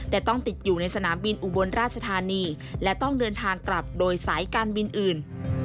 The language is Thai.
แต่ต้องติดอยู่ในสนามบินอุบลราชธานีและต้องเดินทางกลับโดยสายการบินอื่น